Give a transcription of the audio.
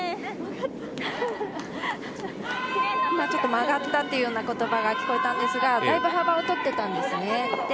今ちょっと曲がったという言葉が聞こえたんですがだいぶ幅を取っていたんですね。